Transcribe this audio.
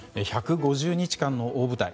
１５０日間の大舞台。